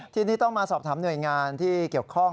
ทีนี้ต้องมาสอบถามหน่วยงานที่เกี่ยวข้อง